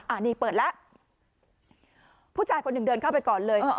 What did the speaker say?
อันนี้เปิดแล้วผู้ชายคนหนึ่งเดินเข้าไปก่อนเลย